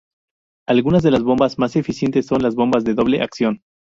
Algunas de las bombas más eficientes son las bombas de doble acción.